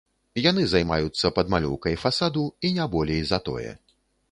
Яны займаюцца падмалёўкай фасаду і не болей за тое.